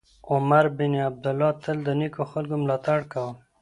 عمر بن عبیدالله تل د نېکو خلکو ملاتړ کاوه.